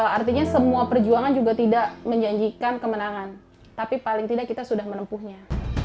artinya semua perjuangan juga tidak menjanjikan kemenangan tapi paling tidak kita sudah menempuhnya